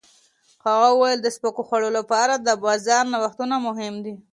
هغه وویل د سپکو خوړو لپاره د بازار نوښتونه مهم دي.